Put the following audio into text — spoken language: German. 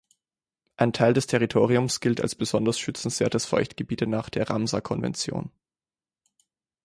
Ein Teil des Territoriums gilt als besonders schützenswertes Feuchtgebiete nach der Ramsar-Konvention.